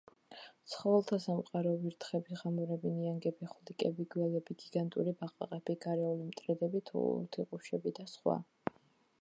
ცხოველთა სამყარო: ვირთხები, ღამურები, ნიანგები, ხვლიკები, გველები, გიგანტური ბაყაყები, გარეული მტრედები, თუთიყუშები და სხვა.